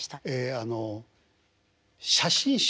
あの写真集。